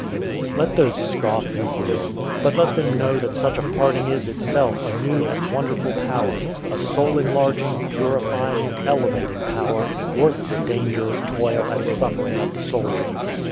Let those scoff who will; but let them know that such a parting is itself a new and wonderful power, a soul enlarging, purifying, and elevating power, worth the danger, toil, and suffering of the soldier.